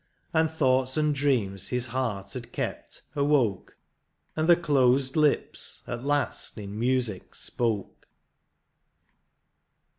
And thoughts and dreams his heart had kept, awoke, And the closed lips at last in music spoke.